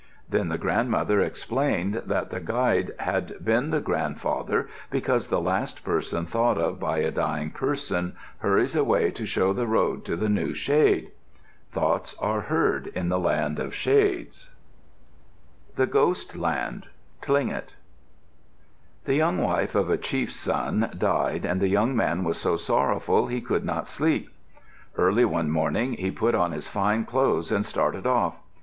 Then the grandmother explained that the guide had been the grandfather because the last person thought of by a dying person hurries away to show the road to the new shade. Thoughts are heard in the land of the shades. THE GHOST LAND Tlingit The young wife of a chief's son died and the young man was so sorrowful he could not sleep. Early one morning he put on his fine clothes and started off.